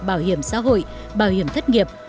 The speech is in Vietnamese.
bảo hiểm xã hội bảo hiểm thất nghiệp